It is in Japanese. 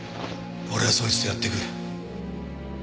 俺はそいつとやっていく。